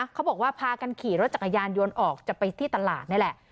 เขาบอกว่าพากันขี่รถจักรยานยนต์ออกจะไปที่ตลาดนี่แหละ